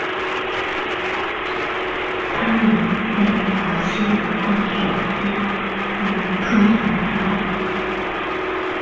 他们被早期的探险家用数字编号。